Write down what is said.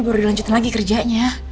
baru dilanjutin lagi kerjanya